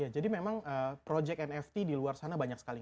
jadi memang project nft di luar sana banyak sekali